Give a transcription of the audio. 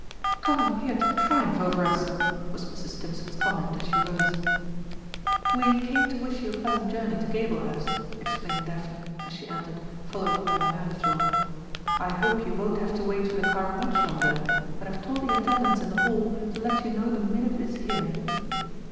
"Coming here to triumph over us!" was Mrs. Stimpson's comment as she rose. "We came to wish you a pleasant journey to Gablehurst," explained Daphne, as she entered, followed by Mirliflor. "I hope you won't have to wait for the car much longer, but I've told the attendants in the Hall to let you know the minute it is here."